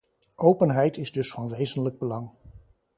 Openheid is dus van wezenlijk belang.